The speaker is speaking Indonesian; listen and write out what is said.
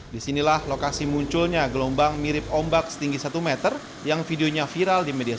disinilah lokasi munculnya gelombang mirip ombak setinggi satu meter yang videonya viral di media sosial